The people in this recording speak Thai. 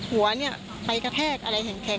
สาเหตุการณ์เสียเวชเกิดจากเลือดออกใต้เยื่อหุ้มสมองชั้นหนา